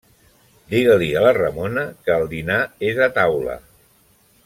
Digue-li a la Ramona que el dinar és a taula.